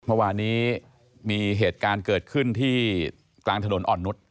เมื่อวานนี้มีเหตุการณ์เกิดขึ้นที่กลางถนนอ่อนนุษย